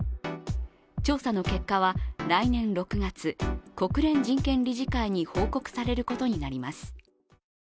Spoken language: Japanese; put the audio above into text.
調査の結果は来年６月、国連人権理事会に報告されることになります。